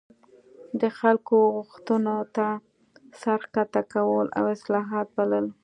د خلکو غوښتنو ته سر ښکته کول او اصلاحات بلل.